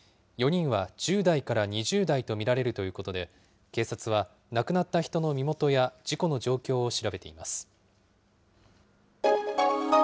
４人は１０代から２０代と見られるということで、警察は亡くなった人の身元や、事故の状況を調べています。